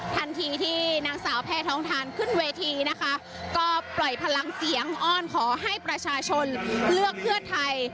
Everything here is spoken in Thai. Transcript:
ทันทีที่นางสาวแพทองทานขึ้นเวทีนะคะก็ปล่อยพลังเสียงอ้อนขอให้ประชาชนเลือกเพื่อไทย